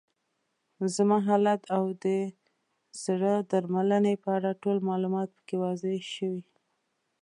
زما حالت او د زړې درملنې په اړه ټول معلومات پکې واضح شوي.